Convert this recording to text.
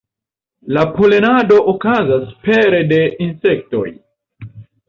La polenado okazas pere de insektoj.